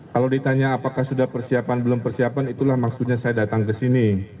kalau ditanya apakah sudah persiapan belum persiapan itulah maksudnya saya datang ke sini